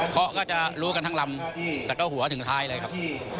เขาก็จะรู้กันทั้งลำแต่ก็หัวถึงท้ายเลยครับ